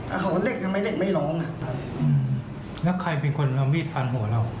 เขาบอกว่าเด็กทำไมเด็กไม่ร้องอ่ะอืมแล้วใครเป็นคนเอามีดฟันหัวเรา